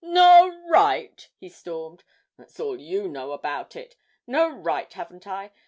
'No right!' he stormed, 'that's all you know about it. No right, haven't I?